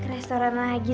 ke restoran lagi